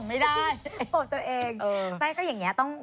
ไม่ก็อย่างนี้นะต้อง